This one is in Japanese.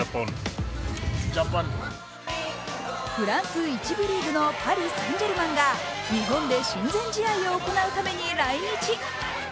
フランス一部リーグのパリ・サン＝ジェルマンが日本で親善試合を行うために来日。